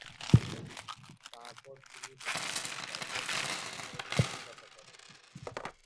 তারপর তিনি জার্মানীর কয়েকটি বিদ্যালয়ে শিক্ষকতা করেন।